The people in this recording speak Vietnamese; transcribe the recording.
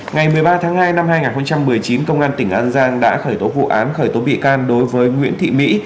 ngày một mươi ba tháng hai năm hai nghìn một mươi chín công an tỉnh an giang đã khởi tố vụ án khởi tố bị can đối với nguyễn thị mỹ